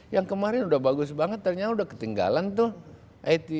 yang kemarin udah bagus banget ternyata udah ketinggalan tuh it